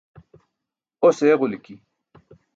Os eġuliki.